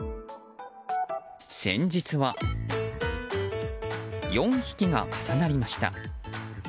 先日は、４匹が重なりました。